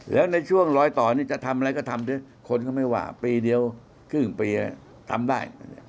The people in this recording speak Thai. แล้วในช่วงรอยต่อนี่จะทำอะไรก็ทำด้วยคนก็ไม่ว่าปีเดียวครึ่งปีทำได้